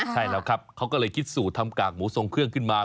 ใช่แล้วครับเขาก็เลยคิดสูตรทำกากหมูทรงเครื่องขึ้นมา